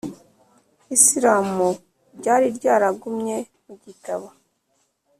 isilamu - ryari ryaragumye mu gitabo